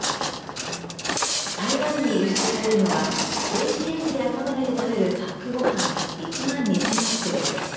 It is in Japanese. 台湾に輸出されるのは電子レンジで温めて食べるパックごはん１万２０００パックです。